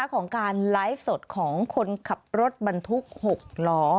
ของการไลฟ์สดของคนขับรถบรรทุก๖ล้อ